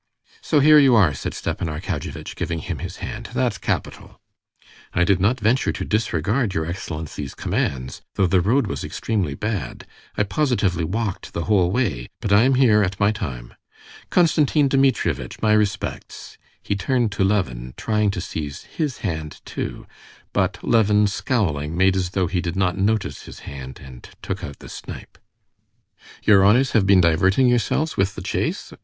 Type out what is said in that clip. "So here you are," said Stepan Arkadyevitch, giving him his hand. "That's capital." "I did not venture to disregard your excellency's commands, though the road was extremely bad. I positively walked the whole way, but I am here at my time. Konstantin Dmitrievitch, my respects"; he turned to Levin, trying to seize his hand too. But Levin, scowling, made as though he did not notice his hand, and took out the snipe. "Your honors have been diverting yourselves with the chase?